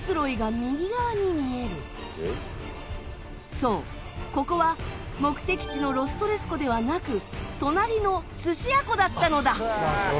そうここは目的地のロス・トレス湖ではなく隣のスシア湖だったのだ。